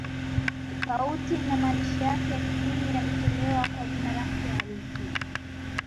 Tofauti na maandishi yake ya kidini yaliyotolewa kwa jina lake halisi